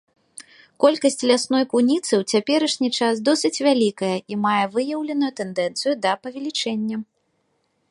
Колькасць лясной куніцы ў цяперашні час досыць вялікая і мае выяўленую тэндэнцыю да павелічэння.